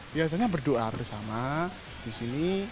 biasanya berdoa bersama di sini